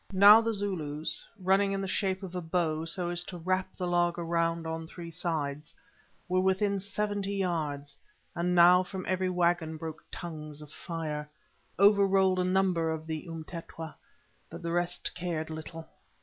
Now the Zulus, running in the shape of a bow so as to wrap the laager round on three sides, were within seventy yards, and now from every waggon broke tongues of fire. Over rolled a number of the Umtetwa, but the rest cared little.